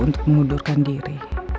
untuk mengundurkan diri